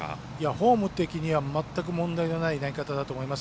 フォーム的には全く問題がない投げ方だと思います。